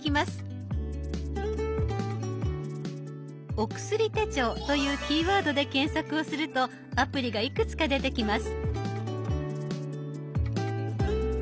「お薬手帳」というキーワードで検索をするとアプリがいくつか出てきます。